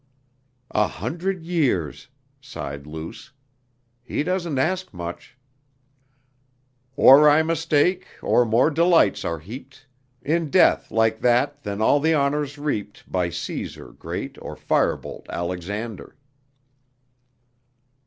"A hundred years!" sighed Luce. "He doesn't ask much!..." "Or I mistake, or more delights are heaped In death like that than all the honors reaped By Caesar great or firebolt Alexander."